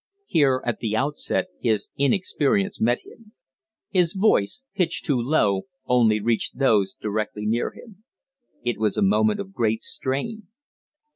Here at the outset his inexperience met him. His voice, pitched too low, only reached those directly near him. It was a moment of great strain.